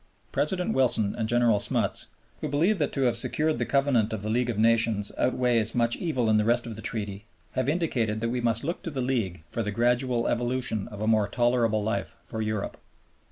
President Wilson and General Smuts, who believe that to have secured the Covenant of the League of Nations outweighs much evil in the rest of the Treaty, have indicated that we must look to the League for the gradual evolution of a more tolerable life for Europe.